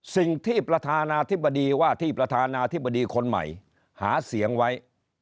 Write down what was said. สิ่งที่ประธานาธิบดีว่าที่ประธานาธิบดีคนใหม่หาเสียงไว้